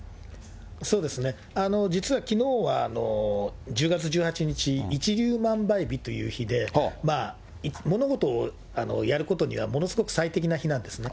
そうですね、実はきのうは１０月１８日、一粒万倍日という日で、物事をやることには、ものすごく最適な日なんですね。